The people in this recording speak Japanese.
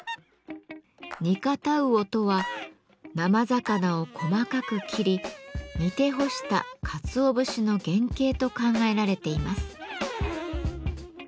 「煮堅魚」とは生魚を細かく切り煮て干したかつお節の原型と考えられています。